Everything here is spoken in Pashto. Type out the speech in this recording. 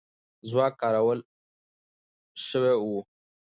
ځواک کارول سوی وو.